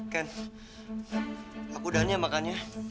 ken aku udah nanya makannya